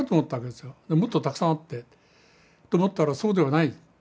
もっとたくさんあってと思ったらそうではない。